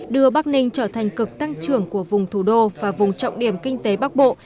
đưa bắc ninh trở thành cực tăng trưởng của vùng thủ đô và vùng trọng điểm kinh tế bắc bộ